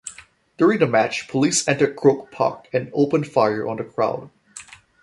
During the match, police entered Croke Park and opened fire on the crowd.